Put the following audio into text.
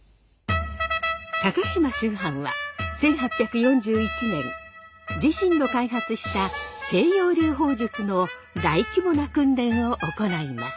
高島秋帆は１８４１年自身の開発した西洋流砲術の大規模な訓練を行います。